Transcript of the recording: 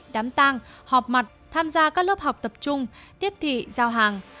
đám tang họp mặt tham gia các lớp học tập trung tiếp thị giao hàng